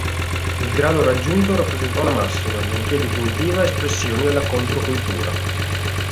Il grado raggiunto rappresentò la massima, nonché definitiva espressione della controcultura.